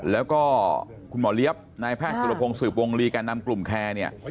แล้วก็คุณหมอเลี้ยบนายแพทย์สุรพงศ์สืบวงลีแก่นำกลุ่มแคร์เนี่ย